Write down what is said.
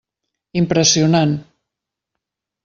Impressionant.